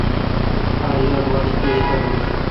آج دا باش تریش کال میݭ